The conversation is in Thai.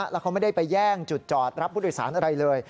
แล้วเขาไม่ได้ไปแย่งจุดจอดรับผู้โดยสารอะไรเลย